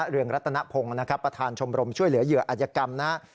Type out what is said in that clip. เรืองรัตนพงศ์นะครับประธานชมรมช่วยเหลือเหยื่ออัธยกรรมนะครับ